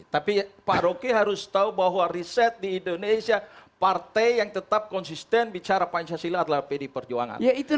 tapi pak rocky harus tahu bahwa riset di indonesia partai yang tetap konsisten bicara pancasila adalah pd perjuangan